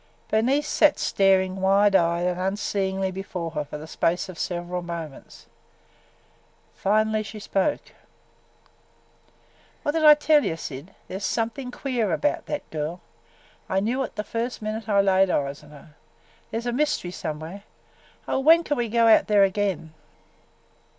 Bernice sat staring wide eyed and unseeingly before her for the space of several moments. Finally she spoke: "What did I tell you, Syd? There 's something queer about that girl! I knew it the first minute I laid eyes on her. There 's a mystery somewhere! Oh, when can we go out there again?"